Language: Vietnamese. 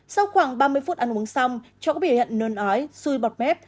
sau khoảng ba mươi phút ăn uống xong cháu có bị hệ hận nôn ói xui bọt mép